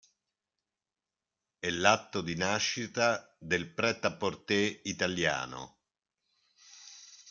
È l'atto di nascita del pret-à-porter italiano.